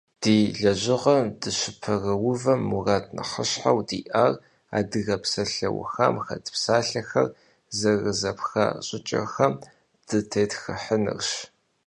Ди лэжьыгъэм дыщыпэрыувэм мурад нэхъыщхьэу диӏар адыгэ псалъэухам хэт псалъэхэр зэрызэпха щӏыкӏэхэм дытетхыхьынырщ.